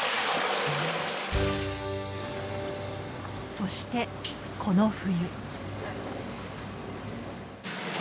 そしてこの冬。